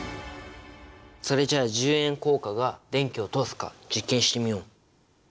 それじゃあ１０円硬貨が電気を通すか実験してみよう！